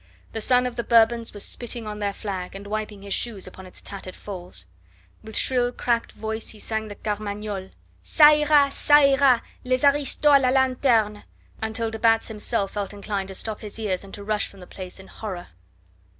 The son of the Bourbons was spitting on their flag, and wiping his shoes upon its tattered folds. With shrill cracked voice he sang the Carmagnole, "Ca ira! ca ira! les aristos a la lanterne!" until de Batz himself felt inclined to stop his ears and to rush from the place in horror.